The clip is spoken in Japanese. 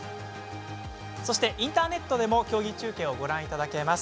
そして、インターネットでも競技中継をご覧いただけます。